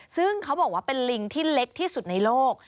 ซึ่งเขาบอกว่าเป็นลิงที่เล็กที่สุดในโลก